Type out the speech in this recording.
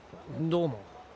どうも。